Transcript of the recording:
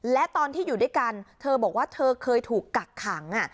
และตอนที่อยู่ด้วยกันเธอบอกว่าเธอเคยถูกกักขัง